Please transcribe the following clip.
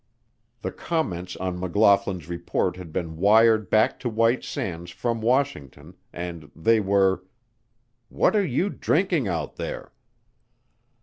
The comments on McLaughlin's report had been wired back to White Sands from Washington and they were, "What are you drinking out there?"